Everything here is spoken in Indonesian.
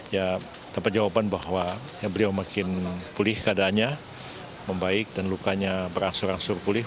ya dapat jawaban bahwa beliau makin pulih keadaannya membaik dan lukanya berangsur angsur pulih